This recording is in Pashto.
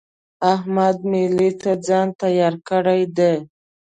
احمد مېلې ته ځان تيار کړی دی.